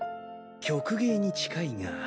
曲芸に近いが。